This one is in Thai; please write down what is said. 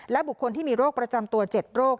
และบุคคลที่มีโรคประจำตัว๗โรค